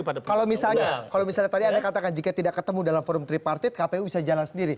kalau misalnya tadi anda katakan jika tidak ketemu dalam forum tripartit kpu bisa jalan sendiri